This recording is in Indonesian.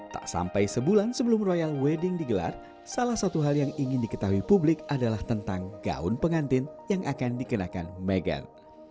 tak sampai sebulan sebelum royal wedding digelar salah satu hal yang ingin diketahui publik adalah tentang gaun pengantin yang akan dikenakan meghan